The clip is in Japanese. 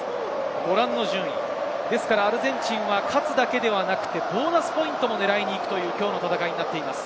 ご覧の順位、アルゼンチンは勝つだけではなくてボーナスポイントも狙いに行くという、きょうの戦いです。